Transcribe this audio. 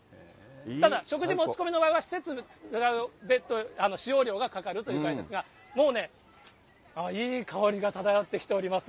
ただ、食事持ち込みの場合は、施設の別途使用料がかかるということなんですが、もうね、いい香りが漂ってきております。